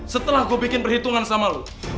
setelah gue bikin perhitungan sama lo